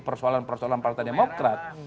persoalan persoalan partai demokrat